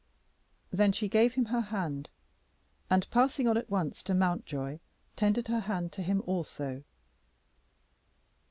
Then she gave him her hand, and passing on at once to Mountjoy, tendered her hand to him also.